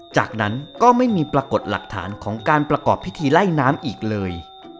จากนั้นก็ไม่มีปรากฏหลักฐานของการประกอบพิธีไล่น้ำอีกเลย